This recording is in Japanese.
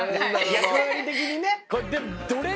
役割的にね！